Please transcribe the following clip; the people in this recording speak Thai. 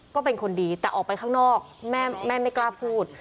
ก็เป็นคนดีแต่ออกไปข้างนอกแม่ไม่กล้าพูด